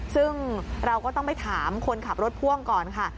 ซึ่งเราก็ต้องไปถามคนขับรถพ่วงก่อนค่ะ